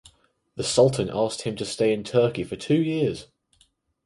The Sultan asked him to stay in Turkey for two years.